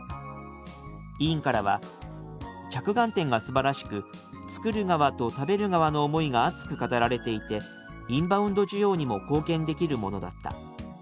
委員からは「着眼点がすばらしく作る側と食べる側の思いが熱く語られていてインバウンド需要にも貢献できるものだった」